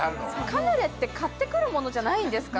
カヌレって買ってくるものじゃないんですか？